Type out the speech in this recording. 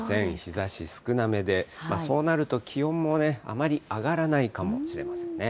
日ざし少なめで、そうなると、気温もね、あまり上がらないかもしれませんね。